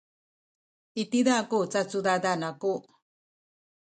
i tiza ku cacudadan aku.